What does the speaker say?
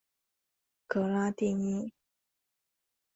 格拉蒂尼。